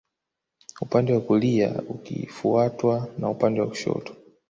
Upande wa kulia ukifuatwa na upande wa kushoto